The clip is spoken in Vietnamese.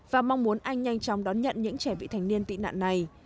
và mong muốn anh nhanh chóng đón nhận những trẻ vị thành niên tị nạn này